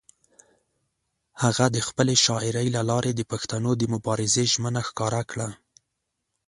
هغه د خپلې شاعرۍ له لارې د پښتنو د مبارزې ژمنه ښکاره کړه.